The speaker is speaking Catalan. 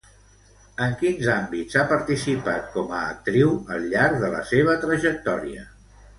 En quins àmbits ha participat com a actriu al llarg de la seva trajectòria?